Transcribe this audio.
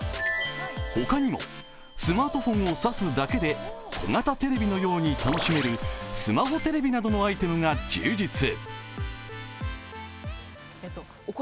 他にもスマートフォンを差すだけで小型テレビのように楽しめるスマホテレビなどのアイテムが充実。